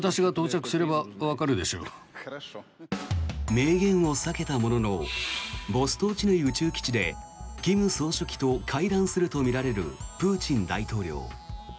明言を避けたもののボストーチヌイ宇宙基地で金総書記と会談するとみられるプーチン大統領。